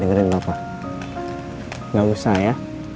dengar ini papa gak usah ya